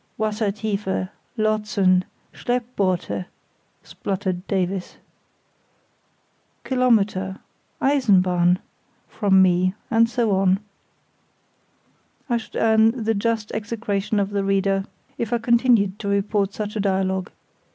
"Wassertiefe, Lotsen, Schleppboote," spluttered Davies. "Kilometre—Eisenbahn," from me, and so on. I should earn the just execration of the reader if I continued to report such a dialogue.